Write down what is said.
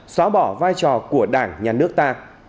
xóa bỏ vai trò của đảng nhà nước ta